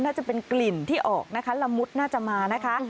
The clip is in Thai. น่าจะเป็นกลิ่นที่ออกนะคะละมุดน่าจะมานะคะ